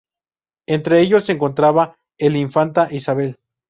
Entre ellos se encontraba el "Infanta Isabel".